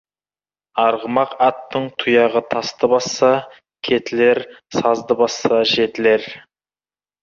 Арғымақ аттың тұяғы тасты басса, кетілер, сазды басса, жетілер.